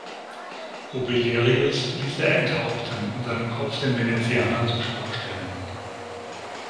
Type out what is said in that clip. Obelerius ließ er enthaupten und seinen Kopf den Venezianern zur Schau stellen.